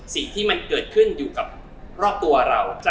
สิ่งที่มันเกิดขึ้นอยู่กับรอบตัวเรา